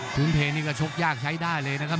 ถึงเพลงนี้ก็ชกยากใช้ได้เลยนะครับ